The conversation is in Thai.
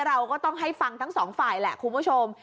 เราก็ต้องให้ฟังทั้งสองฝ่ายแหละคุณผู้ชม